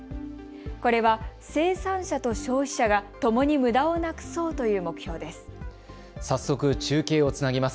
これは生産者と消費者がともにむだをなくそうという目標です。